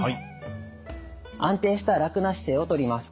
安定した楽な姿勢をとります。